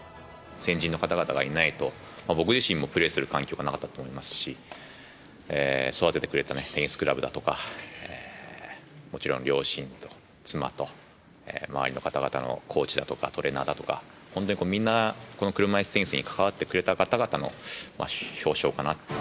先人の方々がいないと、僕自身もプレーする環境がなかったと思いますし、育ててくれたテニスクラブだとか、もちろん両親と妻と、周りの方々のコーチだとかトレーナーだとか、本当に、みんなこの車いすテニスに関わってくれた方々の表彰かなと。